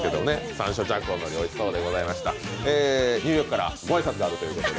ニューヨークからご挨拶があるということで。